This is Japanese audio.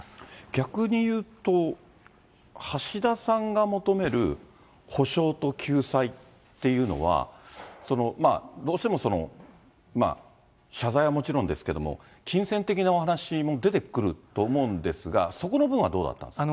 逆に言うと、橋田さんが求める補償と救済っていうのは、どうしても、謝罪はもちろんですけど、金銭的なお話も出てくると思うんですが、そこの部分はどうだったんですか。